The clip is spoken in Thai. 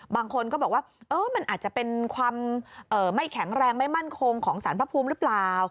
บางคนก็บอกว่ามันอาจจะเป็นความไม่แข็งแรงไม่มั่นคงของสารพระภูมิหรือเปล่า